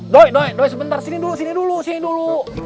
doi doy sebentar sini dulu sini dulu sini dulu